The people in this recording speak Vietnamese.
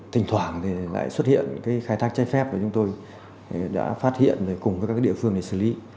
tỉnh thoảng lại xuất hiện khai thác trái phép mà chúng tôi đã phát hiện cùng với các địa phương để xử lý